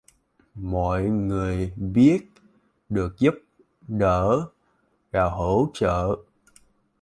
Mọi người biết được giúp đỡ và hỗ trợ